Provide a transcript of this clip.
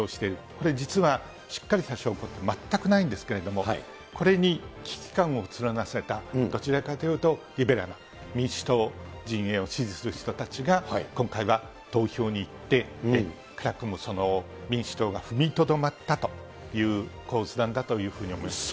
これ、実はしっかり査証があって、全くないんですけれども、これに危機感を募らせた、どちらかというと、リベラルな民主党陣営を支持する人たちが、今回は投票に行って、民主党が踏みとどまったという構図なんだというふうに思います。